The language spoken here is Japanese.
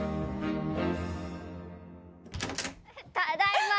ただいま！